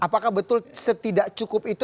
apakah betul setidak cukup itu